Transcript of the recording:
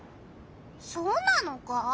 そうなのか？